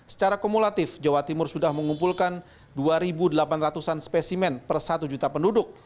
secara kumulatif jawa timur sudah mengumpulkan dua delapan ratus an spesimen per satu juta penduduk